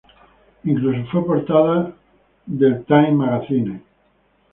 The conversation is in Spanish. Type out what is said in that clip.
Incluso fue portada del "Time Magazine".